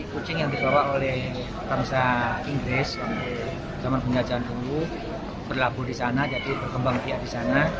kucing yang dibawa oleh parusa inggris zaman penjajahan dulu berlaku di sana jadi berkembang di sana